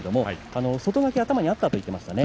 外掛け、頭にあったと言ってました。